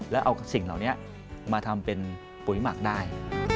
แล้วเอาสิ่งเหล่านี้มาทำเป็นปุ๋ยหมักได้